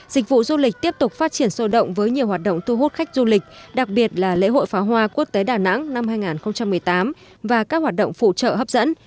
dịch vụ du lịch tiếp tục phát triển sôi động với nhiều hoạt động thu hút khách du lịch đặc biệt là lễ hội phá hoa quốc tế đà nẵng năm hai nghìn một mươi tám và các hoạt động phụ trợ hấp dẫn